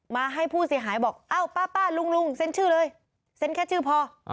มาให้ผู้เสียหายบอกเอ้าป้าลุงเซ็นชื่อเลยเซ็นแค่ชื่อพอ